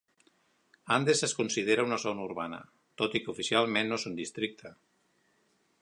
Andes es considera una zona urbana, tot i que oficialment no és un districte.